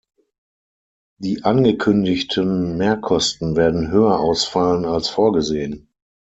Die angekündigten Mehrkosten werden höher ausfallen als vorgesehen.